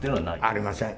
ありません。